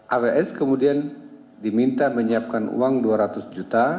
avs kemudian diminta menyiapkan uang dua ratus juta